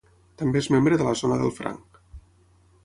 També és membre de la zona del franc.